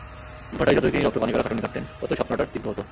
ইটভাটায় যতই তিনি রক্ত পানি করা খাটুনি খাটতেন, ততই স্বপ্নটা তীব্র হতো।